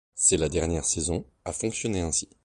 C'est la dernière saison à fonctionner ainsi.